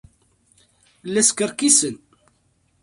La skerkisen.